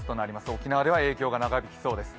沖縄では影響が長引きそうです。